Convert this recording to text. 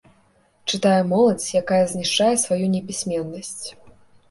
Чытае моладзь, якая знішчае сваю непісьменнасць.